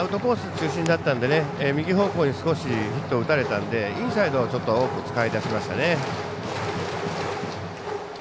中心だったので右方向に少しヒットを打たれたのでインサイドを多く使い出しました。